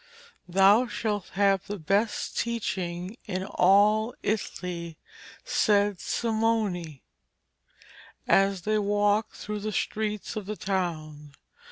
'Thou shalt have the best teaching in all Italy,' said Simone as they walked through the streets of the town.